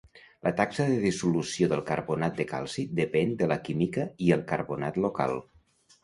La taxa de dissolució del carbonat de calci depèn de la química el carbonat local.